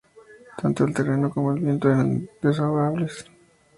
Tanto el terreno como el viento eran desfavorables.